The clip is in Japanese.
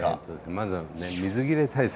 まずはね水切れ対策。